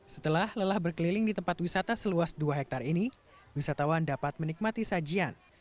setelah lelah berkeliling di tempat wisata seluas dua hektare ini wisatawan dapat menikmati sajian